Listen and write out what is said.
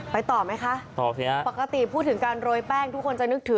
ต่อไหมคะต่อสิฮะปกติพูดถึงการโรยแป้งทุกคนจะนึกถึง